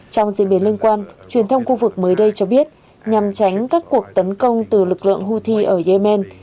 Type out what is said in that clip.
trong diễn biến lương quan truyền thông khu vực mới đây cho biết nhằm tránh các cuộc tấn công từ lực lượng houthi ở yemen